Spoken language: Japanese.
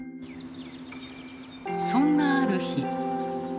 そんなある日。